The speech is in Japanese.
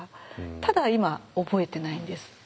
ただ今覚えてないんです。